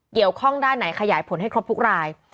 เกี่ยวข้องด้านไหนขยายผลให้ครบทุกราย